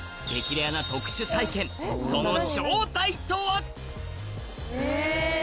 レアな特殊体験その正体とは・え！